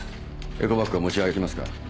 エコバッグは持ち歩きますか？